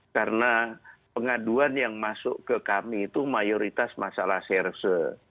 karena pengaduan yang masuk ke kami itu mayoritas masalah serse